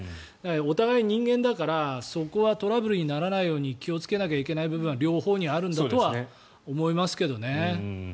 お互い人間だからそこはトラブルにならないように気をつけないといけない部分は両方にあるんだと思いますけどね。